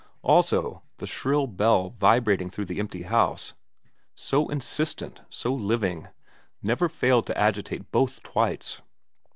Also the shrill bell vibrating through the empty Louse, so insistent, so living, never failed to agitate both Twites.